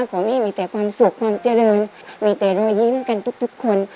ขอให้มีแต่ความสุขความเจริญมีแต่รอยยิ้มเหมือนกันทุกทุกคน